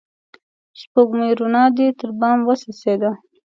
سپوږمۍ روڼا دي تر بام وڅڅيده